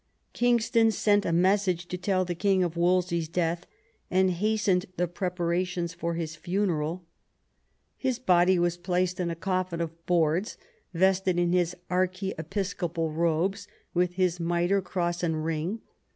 Kingston sent a message to tell the king of Wolsey's death, and hastened the preparations for his funeral. His body was placed in a coffin of boards, vested in his archiepiscopal robes, with his mitre, cross, and ring.